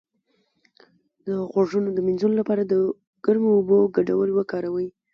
د غوږونو د مینځلو لپاره د ګرمو اوبو ګډول وکاروئ